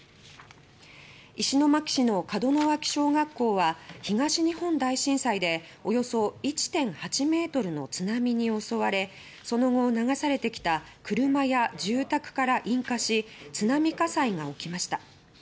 石巻市の門脇小学校は東日本大震災でおよそ１．８ｍの津波に襲われその後流されてきた車や住宅から引火し津波火災が起きました。